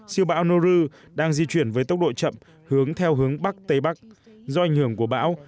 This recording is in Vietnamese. siêu bão noru đang di chuyển với tốc độ chậm hướng theo hướng bắc tây bắc do ảnh hưởng của bão